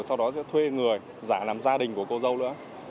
sau đó sẽ thuê người giả làm gia đình của cô dâu nữa